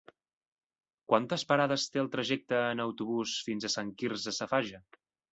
Quantes parades té el trajecte en autobús fins a Sant Quirze Safaja?